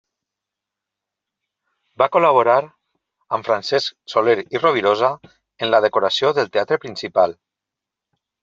Va col·laborar amb Francesc Soler i Rovirosa en la decoració del Teatre Principal.